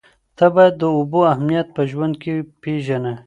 ته باید د اوبو اهمیت په ژوند کې پېژنه.